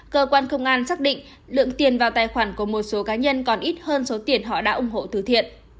cơ quan công an xác định lượng tiền vào tài khoản của một số cá nhân còn ít hơn số tiền họ đã ủng hộ từ thiện